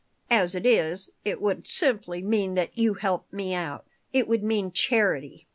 As it is, it would simply mean that you help me out. It would mean charity."